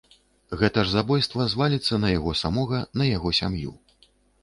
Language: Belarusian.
Гэта ж забойства зваліцца на яго самога, на яго сям'ю.